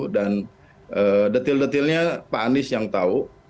dan detil detilnya pak anies yang tahu